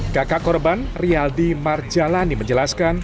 kaka korban rialdi marjalani menjelaskan